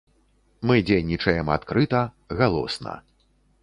Мы дзейнічаем адкрыта, галосна.